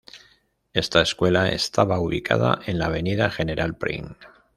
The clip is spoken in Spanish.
Esta escuela estaba ubicada en la Avenida General Prim.